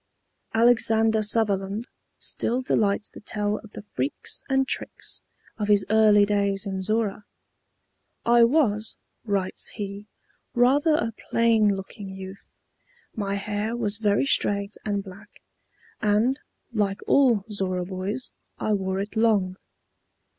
Alexander Sutherland still delights to tell of the freaks and tricks of his early days in Zorra. "I was," writes he, "rather a plain looking youth. My hair was very straight and black, and, like all Zorra boys, I wore it long.